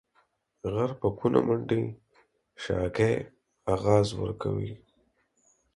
غر په کونه منډي ، شاگى اغاز ورکوي.